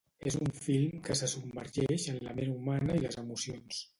És un film que se submergeix en la ment humana i les emocions.